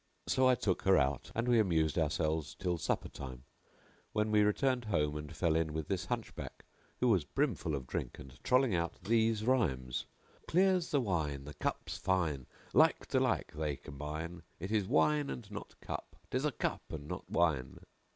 So I took her out and we amused ourselves till supper time, when we returned home and fell in with this Hunchback who was brimful of drink and trolling out these rhymes: "Clear's the wine, the cup's fine; * Like to like they combine: It is wine and not cup! * 'Tis a cup and not wine!"